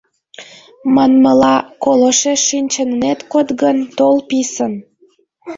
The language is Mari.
Манмыла, калошеш шинчын ынет код гын, тол писын.